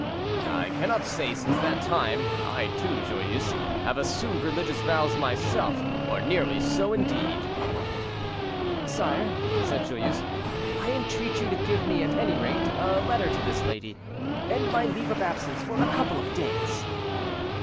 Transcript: "I cannot say; since that time, I too, Joyeuse, have assumed religious vows myself, or nearly so, indeed." "Sire," said Joyeuse, "I entreat you to give me, at any rate, a letter to this lady, and my leave of absence for a couple of days."